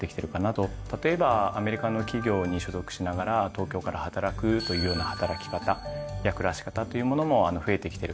例えばアメリカの企業に所属しながら東京から働くというような働き方や暮らし方というものも増えてきてるかなと。